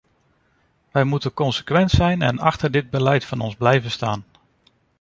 We moeten consequent zijn en achter dit beleid van ons blijven staan.